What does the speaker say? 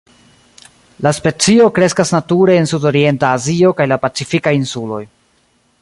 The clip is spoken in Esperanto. La specio kreskas nature en sudorienta Azio kaj la Pacifikaj insuloj.